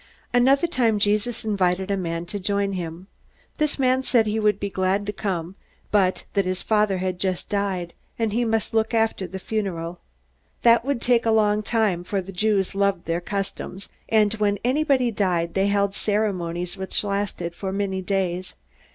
Another time Jesus invited a man to join him. This man said that he would be glad to come, but that his father had just died, and he must first look after the funeral. That would take a long time, for the Jews loved their customs, and when anybody died they held ceremonies which lasted for many days.